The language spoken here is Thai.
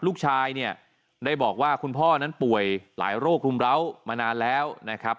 ลูกชายเนี่ยได้บอกว่าคุณพ่อนั้นป่วยหลายโรครุมร้าวมานานแล้วนะครับ